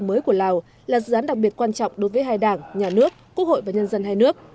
mới của lào là dự án đặc biệt quan trọng đối với hai đảng nhà nước quốc hội và nhân dân hai nước